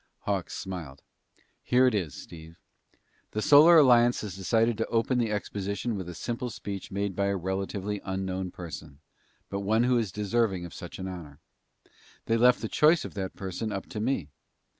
Hawks smiled. "Here it is, Steve. The Solar Alliance has decided to open the exposition with a simple speech made by a relatively unknown person, but one who is deserving of such an honor. They left the choice of that person up to me."